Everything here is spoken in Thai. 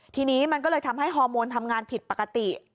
ทีนี้มันก็เลยทำให้ฮอร์โมนทำงานผิดปกติ